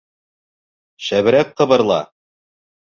Шәберәк ҡыбырла!